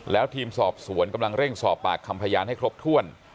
แล้วทีมสอบสวนกำลังเร่งสอบปากคำพยานให้ครบถ้วน